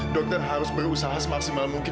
dokter harus berusaha semaksimal mungkin